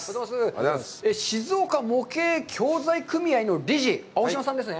静岡模型教材組合の理事、青嶋さんですね。